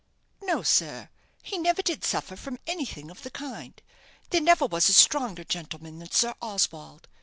"No, sir; he never did suffer from anything of the kind. There never was a stronger gentleman than Sir Oswald.